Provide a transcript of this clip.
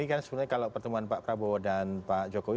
ini kan sebenarnya kalau pertemuan pak prabowo dan pak jokowi